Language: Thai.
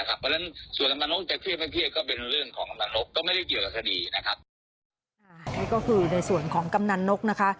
อันนี้ก็คือในส่วนของกำนันนกนะคะ